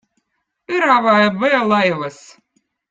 õravõ eb õõ laivõz